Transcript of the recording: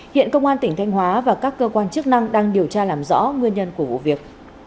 hiện công an tỉnh thanh hóa và các cơ quan chức năng đang điều tra làm rõ nguyên nhân của vụ việc